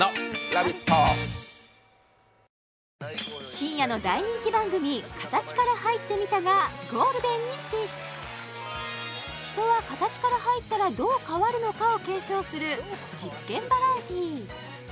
深夜の大人気番組「形から入ってみた」がゴールデンに進出人は形から入ったらどう変わるのかを検証する実験バラエティー